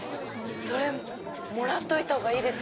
それもらっといた方がいいです。